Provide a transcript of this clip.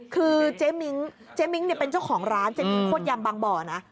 คือเจ๊มิ้งเจ๊มิ้งเป็นเจ้าของร้านเจ๊มิ้งโคตรยำบางบ่อนะ